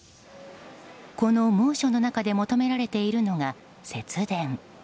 この猛暑の中で求められているのが節電。